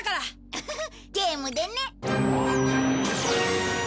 フフフッゲームでね。